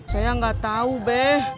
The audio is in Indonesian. saya gak tau beb